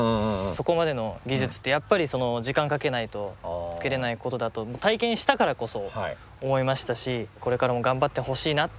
そこまでの技術ってやっぱり時間かけないとつけれないことだと体験したからこそ思いましたしこれからも頑張ってほしいなっていう。